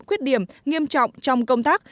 khuyết điểm nghiêm trọng trong công tác